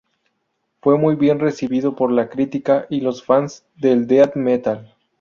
Fue muy bien recibido por la crítica y los fans del Death Metal.